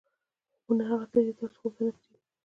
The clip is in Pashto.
خوبونه هغه څه دي چې تاسو خوب ته نه پرېږدي.